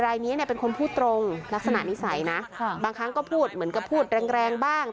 รายนี้เนี่ยเป็นคนพูดตรงลักษณะนิสัยนะบางครั้งก็พูดเหมือนกับพูดแรงแรงบ้าง